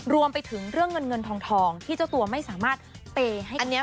รวมไปถึงเรื่องเงินทองที่เจ้าตัวไม่สามารถปล่อยให้ฝ่ายอีกได้